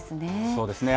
そうですね。